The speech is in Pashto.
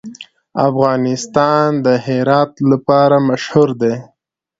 افغانستان د هرات لپاره مشهور دی.